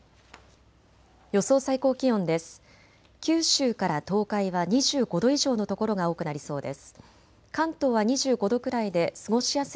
予想最高気温です。